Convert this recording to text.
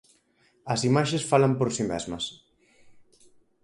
As imaxes falan por si mesmas.